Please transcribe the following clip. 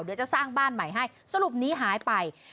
เดี๋ยวจะสร้างบ้านใหม่ให้สรุปนี้หายไป